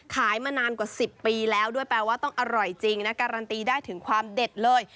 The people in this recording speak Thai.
มานานกว่า๑๐ปีแล้วด้วยแปลว่าต้องอร่อยจริงนะการันตีได้ถึงความเด็ดเลย